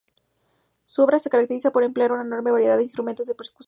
Su obra se caracteriza por emplear una enorme variedad de instrumentos de percusión.